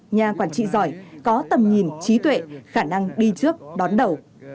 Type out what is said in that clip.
nhà quản trị giỏi có tầm nhìn trí tuệ khả năng đi trước đón đầu